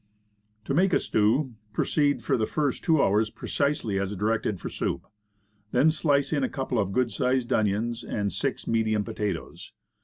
To make a stew, proceed for the first two hours precisely as directed for soup; then slice in a couple of good sized onions and six medium potatoes.